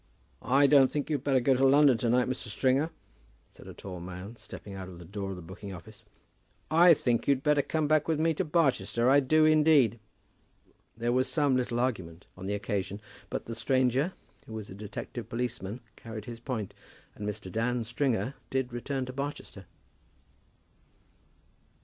"I don't think you'd better go to London to night, Mr. Stringer," said a tall man, stepping out of the door of the booking office. "I think you'd better come back with me to Barchester. I do indeed." There was some little argument on the occasion; but the stranger, who was a detective policeman, carried his point, and Mr. Dan Stringer did return to Barchester.